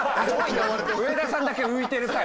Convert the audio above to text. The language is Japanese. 上田さんだけ浮いてる回。